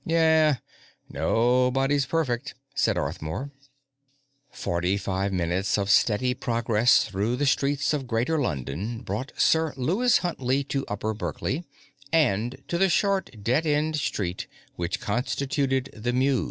"Yeah. Nobody's perfect," said Arthmore. Forty five minutes of steady progress through the streets of Greater London brought Sir Lewis Huntley to Upper Berkeley and to the short dead end street which constituted the Mews.